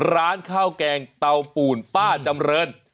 ร้านข้าวแกงเตาปูนป้าจำเริน